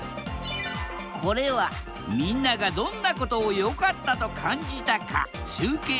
これはみんながどんなことを良かったと感じたか集計した結果。